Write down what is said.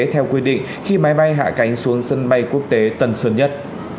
theo quy định khi máy bay hạ cánh xuống sân bay quốc tế tần sớn nhất